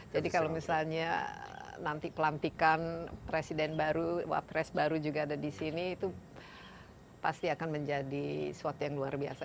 jadi kalau misalnya nanti pelampikan presiden baru pres baru juga ada di sini itu pasti akan menjadi sesuatu yang luar biasa